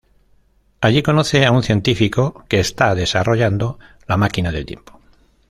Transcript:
Allí conoce a un científico que está desarrollando la máquina del tiempo.